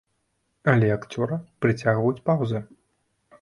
Але акцёра прыцягваюць паўзы.